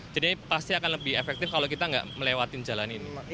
jadi pasti akan lebih efektif kalau kita nggak melewati jalan ini